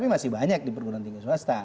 itu masih banyak di pegeruan tinggi swasta